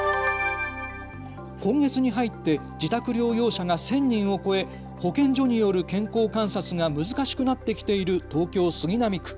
今月に入って自宅療養者が１０００人を超え保健所による健康観察が難しくなってきている東京杉並区。